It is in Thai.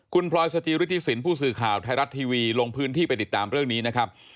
คุณพลอยสจิฤทธิสินผู้สื่อข่าวไทยรัฐทีวีลงพื้นที่ไปติดตามเรื่องนี้นะครับ